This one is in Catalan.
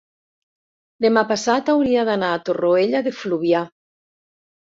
demà passat hauria d'anar a Torroella de Fluvià.